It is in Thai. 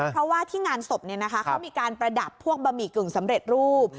เพราะว่าที่งานศพเขามีการประดับพวกบะหมี่กึ่งสำเร็จรูป